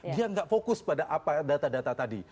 dia nggak fokus pada apa data data tadi